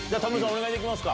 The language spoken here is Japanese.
お願いできますか。